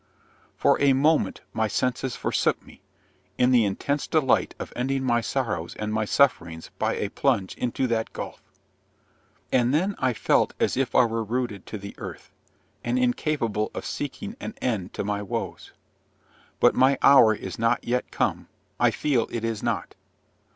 '" For a moment my senses forsook me, in the intense delight of ending my sorrows and my sufferings by a plunge into that gulf! And then I felt as if I were rooted to the earth, and incapable of seeking an end to my woes! But my hour is not yet come: I feel it is not.